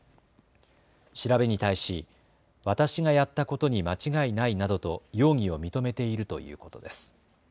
調べに対し、私がやったことに間違いないなどと容疑を認めているということです。